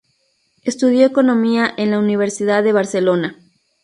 Estudió Economía en la Universidad de Barcelona.